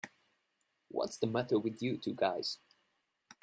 What's the matter with you two guys?